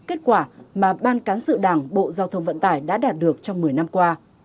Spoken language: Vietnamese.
kết quả mà ban cán sự đảng bộ giao thông vận tải đã đạt được trong một mươi năm qua